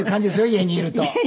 家にいると。